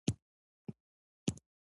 حیواناتو سره ولې ظلم نه کوو؟